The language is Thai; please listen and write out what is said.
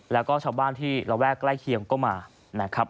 แล้วก็ชาวบ้านที่ระแวกใกล้เคียงก็มานะครับ